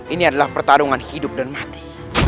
ini adalah pertarungan hidup dan mati